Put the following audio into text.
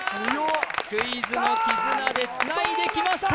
クイズの絆でつないできました。